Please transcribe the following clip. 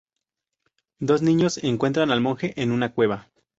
Dos niños encuentran al monje en una cueva.